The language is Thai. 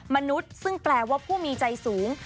มนุษย์ซึ่งแปลว่าผู้มีใจสูง